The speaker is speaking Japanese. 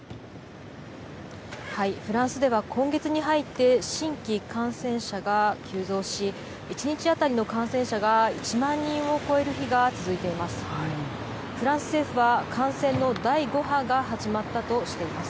フランスでは今月に入って、新規感染者が急増し、１日当たりの感染者が１万人を超える日が続いています。